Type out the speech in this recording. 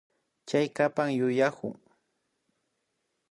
Chaykapan yuyaku